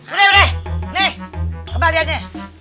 udah udah nih kembaliannya